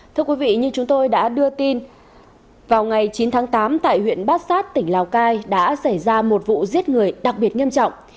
thưa quý vị như chúng tôi đã đưa tin vào ngày chín tháng tám tại huyện bát sát tỉnh lào cai đã xảy ra một vụ giết người đặc biệt nghiêm trọng